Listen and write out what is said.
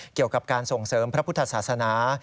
เกี่ยวกับการส่งเสริมพระพุทธศาสนา